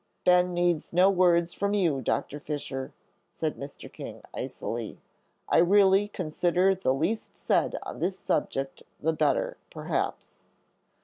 "Ben needs no words from you, Doctor Fisher," said Mr. King, icily; "I really consider the least said on this subject the better, perhaps."